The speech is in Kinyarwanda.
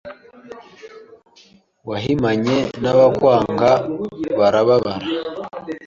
Wahimanye n'abakwanga barababara